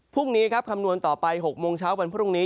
พรุ่งนี้ครับคำนวณต่อไป๖โมงเช้าวันพรุ่งนี้